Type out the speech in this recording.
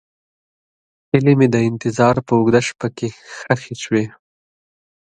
هیلې مې د انتظار په اوږده شپه کې ښخې شوې.